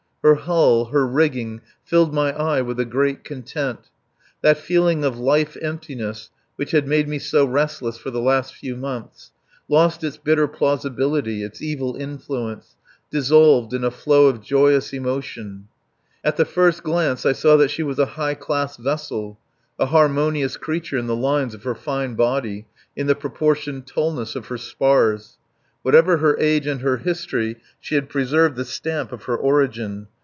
Her hull, her rigging filled my eye with a great content. That feeling of life emptiness which had made me so restless for the last few months lost its bitter plausibility, its evil influence, dissolved in a flow of joyous emotion. At first glance I saw that she was a high class vessel, a harmonious creature in the lines of her fine body, in the proportioned tallness of her spars. Whatever her age and her history, she had preserved the stamp of her origin.